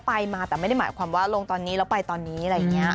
ไปมาแต่ไม่ได้หมายความว่าลงตอนนี้แล้วไปตอนนี้อะไรอย่างนี้